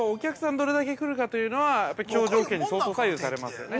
どれだけ来るかというのは、気象条件に相当左右されますよね。